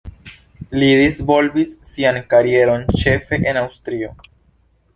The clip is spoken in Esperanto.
Li disvolvis sian karieron ĉefe en Aŭstrio.